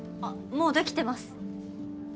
もうできてます。